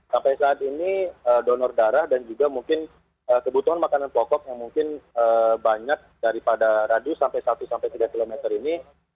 sampai saat ini donor darah dan juga mungkin kebutuhan makanan pokok yang mungkin banyak daripada radius sampai satu tiga km ini